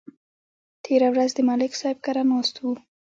تېره ورځ د ملک صاحب کره ناست وو